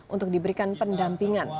untuk diberikan pendampingan